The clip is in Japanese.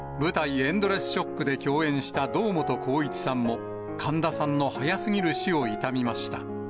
エンドレス・ショックで共演した堂本光一さんも、神田さんの早すぎる死を悼みました。